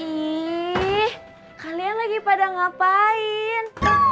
ih kalian lagi pada ngapain